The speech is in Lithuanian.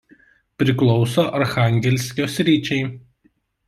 Priklauso Archangelsko sričiai.